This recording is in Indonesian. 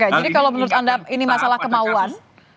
jadi kalau menurut anda ini masalah kemauan